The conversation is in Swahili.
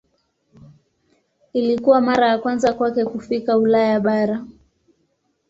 Ilikuwa mara ya kwanza kwake kufika Ulaya bara.